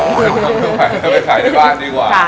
ไปไหวแล้วไปขายได้บ้างดีกว่า